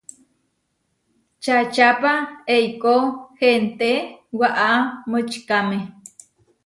Čačápa eikó henté waʼa močikáme.